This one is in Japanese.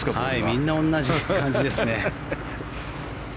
みんな同じ感じですね。